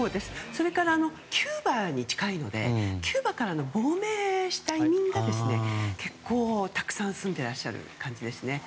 それからキューバに近いのでキューバからの亡命した移民が結構たくさん住んでいらっしゃる感じですね。